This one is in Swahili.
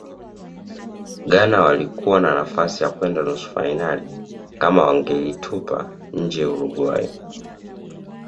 ghana walikuwa na nafasi ya kwenda nusu fainali kama wangaitupa nje uruguay